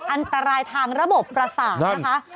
อันตรายทางระบบประสาทนะคะ